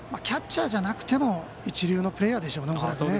キャッチャーじゃなくても一流のプレーヤーでしょうね。